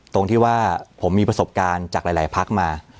ตรงที่ว่าผมมีประสบการณ์จากหลายพักมา